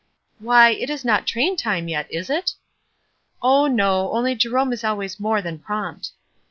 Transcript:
"Why, it is not train time yet, is it?" "Oh, no, only Jerome is always more than prompt."